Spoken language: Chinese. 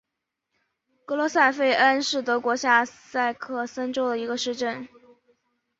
格罗塞费恩是德国下萨克森州的一个市镇。